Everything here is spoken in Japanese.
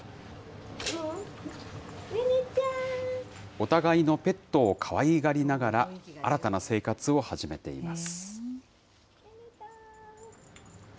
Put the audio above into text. お互いのペットをかわいがりながら、新たな生活を始めています。